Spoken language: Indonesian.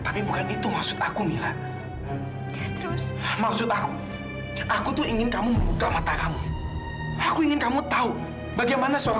tapi kalau orang bersama kamu selama ini adalah tovan